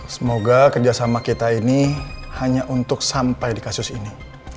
semoga kerjasama kita ini hanya untuk sampai di kasus ini